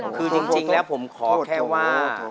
คือจริงแล้วผมขอแค่ว่า